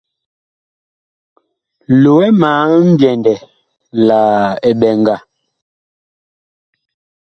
Loɛ ma mbyɛndɛ la eɓɛŋga.